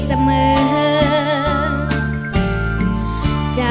อ่า